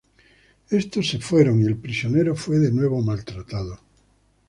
Estos se fueron y el prisionero fue de nuevo maltratado.